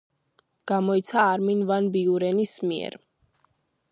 გამოიცა არმინ ვან ბიურენის მიერ.